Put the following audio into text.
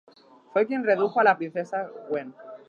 Fue quien redujo a la princesa Gwen.